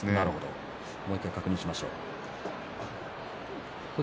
もう１回確認しましょう。